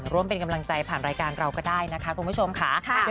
ร่วมเป็นกำลังใจผ่านรายการเราก็ได้นะคะคุณผู้ชมค่ะ